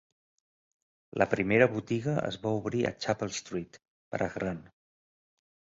La primera botiga es va obrir a Chapel Street, Prahran.